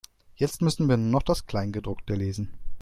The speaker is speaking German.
Jetzt müssen wir noch das Kleingedruckte lesen.